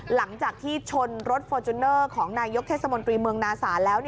หลังจากที่ชนรถฟอร์จูเนอร์ของนายกเทศมนตรีเมืองนาสาแล้ว